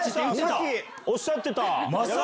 さっきおっしゃってた。